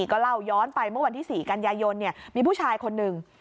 ก็เล่าย้อนไปเมื่อวันที่๔กันยายนมีผู้ชายคนหนึ่ง